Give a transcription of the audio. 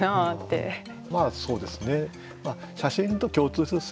まあそうですね。